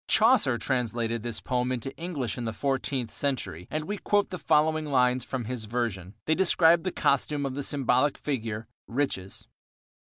Chaucer translated this poem into English in the fourteenth century and we quote the following lines from his version. They describe the costume of the symbolical figure, Riches.